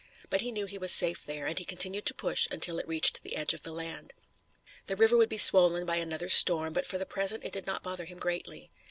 But he knew he was safe there, and he continued to push until it reached the edge of the land. The river would be swollen by another storm, but for the present it did not bother him greatly.